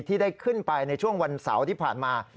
ที่ได้ขึ้นไปในช่วงวันเสาร์ที่ผ่านมา